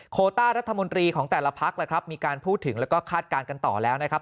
โคต้ารัฐมนตรีของแต่ละพักแหละครับมีการพูดถึงแล้วก็คาดการณ์กันต่อแล้วนะครับ